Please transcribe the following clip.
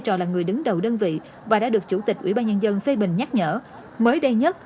trò là người đứng đầu đơn vị và đã được chủ tịch ủy ban nhân dân phê bình nhắc nhở mới đây nhất